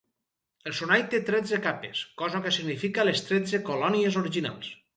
El sonall té tretze capes, cosa que significa les tretze colònies originals.